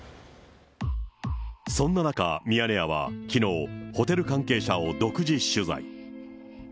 そんな中、ミヤネ屋はきのう、ホテル関係者を独自取材。